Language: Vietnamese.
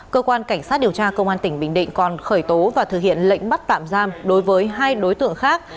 cơ quan cảnh sát điều tra công an tỉnh bình định còn khởi tố và thực hiện lệnh bắt tạm giam đối với hai đối tượng khác